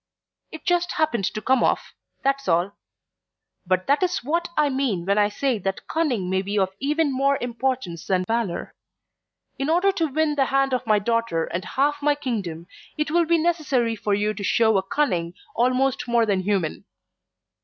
"It just happened to come off, that's all. But that is what I mean when I say that cunning may be of even more importance than valour. In order to win the hand of my daughter and half my kingdom, it will be necessary for you to show a cunning almost more than human."